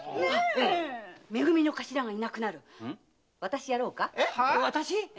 め組の頭がいなくなる⁉あたしやろうか？